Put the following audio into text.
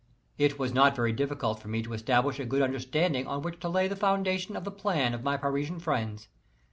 It was not very difficult for me to establish a good understanding on which to lay the foundations of the plan of my Parisian friends.